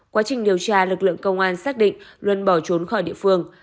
quá trình điều tra lực lượng công an xác định luân bỏ trốn khỏi địa phương